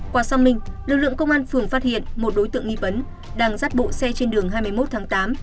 quả xong mình lực lượng công an phường phát hiện một đối tượng nghi vấn đang dắt bộ xe trên đường hai mươi một tháng tám